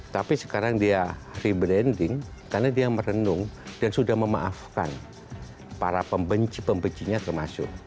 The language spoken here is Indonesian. tapi sekarang dia rebranding karena dia merenung dan sudah memaafkan para pembenci pembencinya termasuk